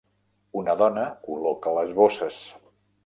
Una dona col·loca les bosses.